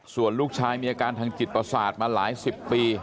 ส่วนลูกชายมีอาการทางจิตประสาทมาหลายสิบปี